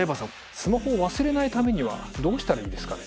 スマホを忘れないためにはどうしたらいいですかね？